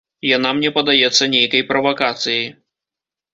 Яна мне падаецца нейкай правакацыяй.